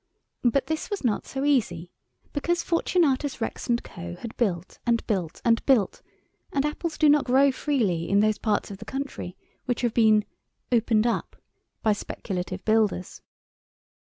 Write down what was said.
But this was not so easy. Because Fortunatus Rex & Co. had built, and built, and built, and apples do not grow freely in those parts of the country which have been "opened up" by speculative builders.